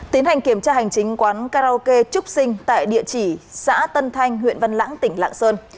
tiến hành kiểm tra hành chính quán karaoke trúc sinh tại địa chỉ xã tân thanh huyện văn lãng tỉnh lạng sơn